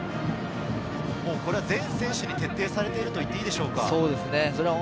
全選手に徹底されているといっていいでしょうか？